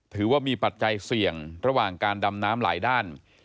ถือว่ามีปัจจัยเสี่ยงระหว่างการดำน้ำหลายด้าน